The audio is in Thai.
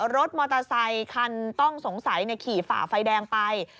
รถมอเตอร์ไซคันต้องสงสัยขี่ฝ่าไฟแดงไป